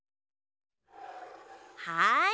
はい。